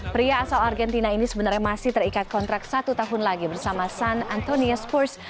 pria asal argentina ini sebenarnya masih terikat kontrak satu tahun lagi bersama san antonio spurs